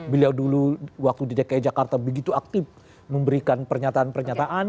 beliau dulu waktu di dki jakarta begitu aktif memberikan pernyataan pernyataan